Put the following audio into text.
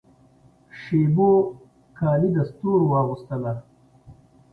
شېبو کالي د ستورو واغوستله